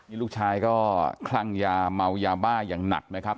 นี่ลูกชายก็คลั่งยาเมายาบ้าอย่างหนักนะครับ